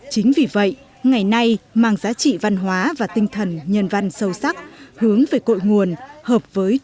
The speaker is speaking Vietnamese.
chính vì vậy ngày nay mang giá trị văn hóa và tinh thần nhân văn sâu sắc hướng về cội nguồn hợp với thuần phong mỹ tục nét đẹp và cũng là nét độc đáo đặc sắc của nền văn hóa tâm linh người việt